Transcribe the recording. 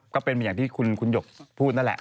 ก็เป็นอย่างที่คุณหยกพูดนั่นแหละ